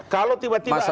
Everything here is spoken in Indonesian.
kalau tiba tiba ada